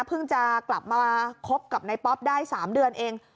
เพิ่งจะกลับมาคบกับนายป๊อปได้๓เดือนเอง